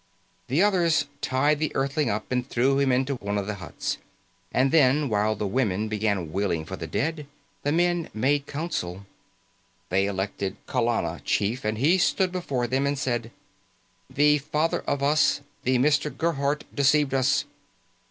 The others tied the Earthling up and threw him into one of the huts. And then, while the women began wailing for the dead, the men made council. They elected Kallana chief and he stood before them and said, "The Father of Us, the Mister Gerhardt, deceived us."